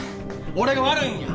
俺が悪いんや！